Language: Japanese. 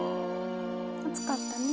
暑かったね。